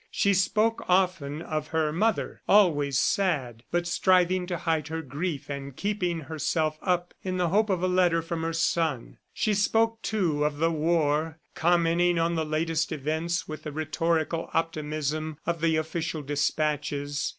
She spoke often of her mother, always sad, but striving to hide her grief and keeping herself up in the hope of a letter from her son; she spoke, too, of the war, commenting on the latest events with the rhetorical optimism of the official dispatches.